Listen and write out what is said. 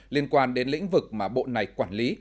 liên quan đến lĩnh vực mà bộ này quản lý